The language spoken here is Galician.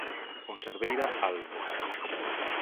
Conserveira Albo.